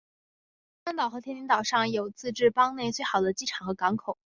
塞班岛和天宁岛上有自治邦内最好的机场和港口。